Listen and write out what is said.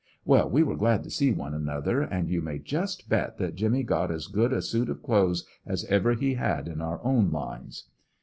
Well, we were glad to see one another and you may just bet that Jimmy got as good a suH of clothes as ever he had in our own lines.